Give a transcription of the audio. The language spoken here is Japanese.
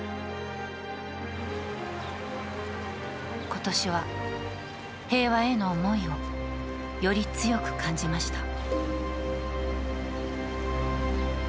今年は平和への思いをより強く感じました。